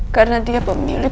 karena dia pemilik